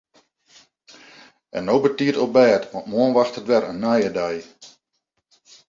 En no betiid op bêd want moarn wachtet wer in nije dei.